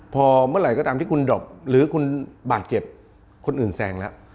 พอเมื่อไหร่ก็ตามที่คุณดอบหรือคุณบาดเจ็บคนอื่นแซงแล้ว